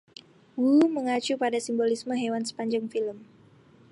Woo mengacu pada simbolisme hewan sepanjang film.